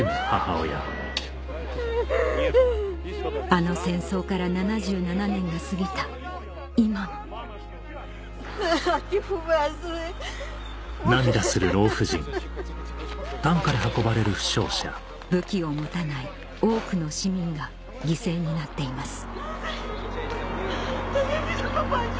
あの戦争から７７年が過ぎた今も泣きながら話している武器を持たない多くの市民が犠牲になっています